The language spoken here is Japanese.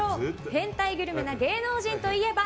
変態グルメな芸能人といえば？